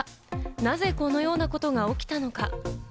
なぜこのようなことが起きたのか？